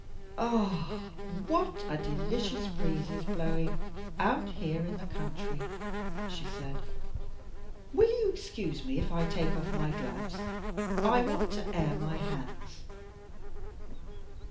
"Ah, what a delicious breeze is blowing, out here in the country!" she said. "Will you excuse me if I take off my gloves? I want to air my hands."